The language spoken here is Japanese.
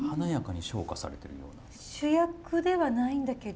主役ではないんだけど。